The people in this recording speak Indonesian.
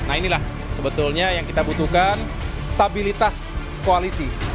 nah inilah sebetulnya yang kita butuhkan stabilitas koalisi